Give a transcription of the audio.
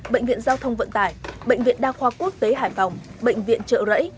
bệnh viện giao thông vận tải bệnh viện đa khoa quốc tế hải phòng bệnh viện trợ rẫy